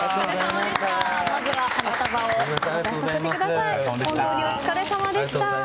まずは花束を渡させてください。